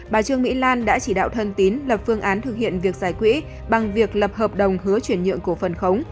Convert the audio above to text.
bà trương mỹ lan đã chỉ đạo thân tín lập phương án thực hiện việc giải quỹ bằng việc lập hợp đồng hứa chuyển nhượng cổ phần khống